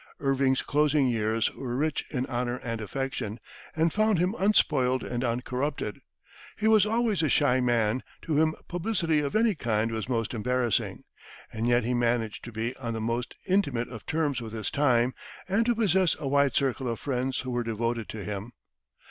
Irving's closing years were rich in honor and affection, and found him unspoiled and uncorrupted. He was always a shy man, to whom publicity of any kind was most embarrassing; and yet he managed to be on the most intimate of terms with his time, and to possess a wide circle of friends who were devoted to him.